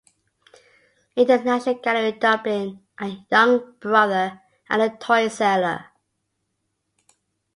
In the National Gallery, Dublin, are "Young Brother" and "The Toy Seller".